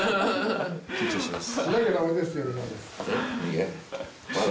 緊張します。